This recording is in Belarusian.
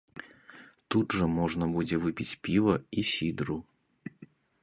Тут жа можна будзе выпіць піва і сідру.